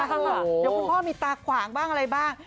เดี๋ยวคุณพ่อมีตาขวางบ้างอะไรบ้าง